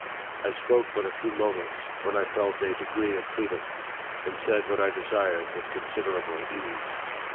I spoke but a few moments, when I felt a degree of freedom, and said what I desired with considerable ease.